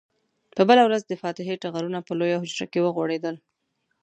په بله ورځ د فاتحې ټغرونه په لویه حجره کې وغوړېدل.